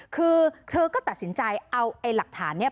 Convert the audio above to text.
คือเธอก็ตัดสินใจเอาไอ้หลักฐานนี้